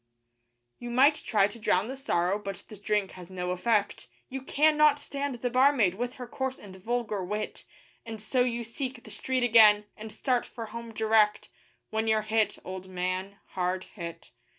You might try to drown the sorrow, but the drink has no effect; You cannot stand the barmaid with her coarse and vulgar wit; And so you seek the street again, and start for home direct, When you're hit, old man hard hit.